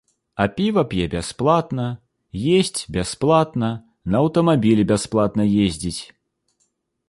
А піва п'е бясплатна, есць бясплатна, на аўтамабілі бясплатна ездзіць.